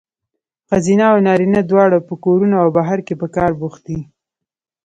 ښځینه او نارینه دواړه په کورونو او بهر کې په کار بوخت دي.